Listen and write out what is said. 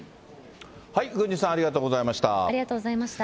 郡司さん、ありがとうございました。